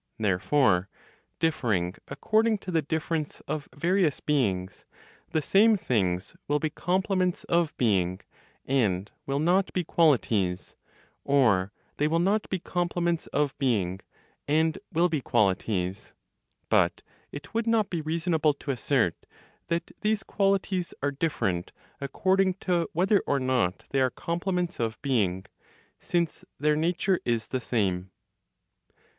Therefore (differing according to the difference of various beings) the same things will be complements of being, and will not be qualities, or they will not be complements of being, and will be qualities; but it would not be reasonable to assert that these qualities are different according to whether or not they are complements of being, since their nature is the same.